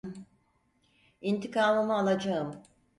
İntikamımı alacağım.